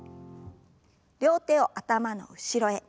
両手を頭の後ろへ。